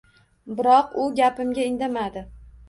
Biroq u gapimga indamadi.